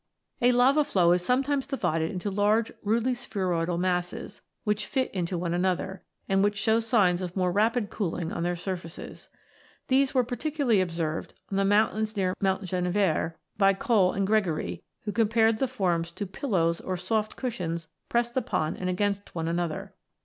A lava flow is sometimes divided into large rudely spheroidal masses, which fit into one another, and v] IGNEOUS ROCKS 117 which show signs of more rapid cooling on their surfaces. These were particularly observed on the mountains near Mont Genevre by Cole and Gregory (64), who compared the forms to " pillows or soft cushions pressed upon and against one another."